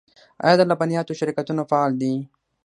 آیا د لبنیاتو شرکتونه فعال دي؟